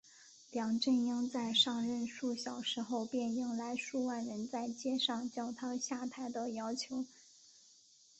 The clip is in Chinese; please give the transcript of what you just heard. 梁振英在上任数小时后便迎来数十万人在街上叫他下台的要求。